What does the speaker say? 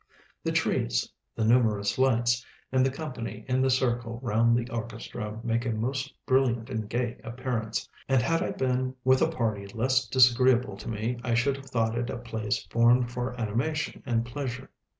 The trees, the numerous lights, and the company in the circle round the orchestra make a most brilliant and gay appearance; and had I been with a party less disagreeable to me, I should have thought it a place formed for animation and pleasure.